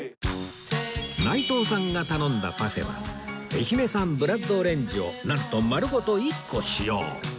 内藤さんが頼んだパフェは愛媛産ブラッドオレンジをなんと丸ごと１個使用